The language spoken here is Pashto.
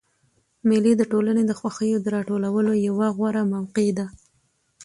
مېلې د ټولني د خوښیو د راټولولو یوه غوره موقع ده.